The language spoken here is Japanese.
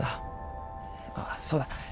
ああそうだ。